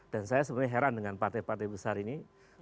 dan saya sebenarnya heran dengan partai partai besar ini